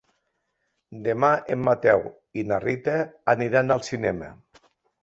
Demà en Mateu i na Rita aniran al cinema.